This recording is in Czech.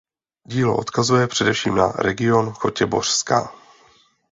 Dílo odkazuje především na region Chotěbořska.